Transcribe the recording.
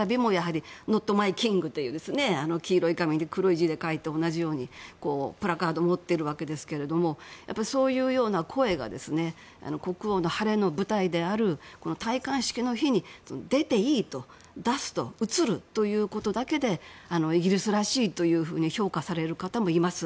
ノット・マイ・キングという黒い字で書いてプラカード持っているわけですがそういう声が国王の晴れの舞台である戴冠式の日に出ていい、出す映るということだけでイギリスらしいと評価される方もいます。